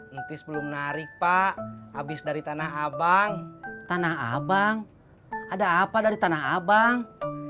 entis belum narik pak habis dari tanah abang tanah abang ada apa dari tanah abang beli sendal